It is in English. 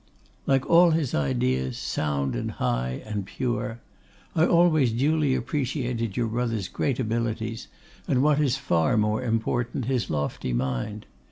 'Like all his ideas, sound, and high, and pure. I always duly appreciated your brother's great abilities, and, what is far more important, his lofty mind.